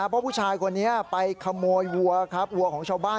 เพราะผู้ชายคนนี้ไปขโมยวัวครับวัวของชาวบ้าน